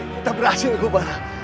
kita berhasil guwara